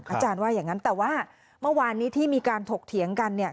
อาจารย์ว่าอย่างนั้นแต่ว่าเมื่อวานนี้ที่มีการถกเถียงกันเนี่ย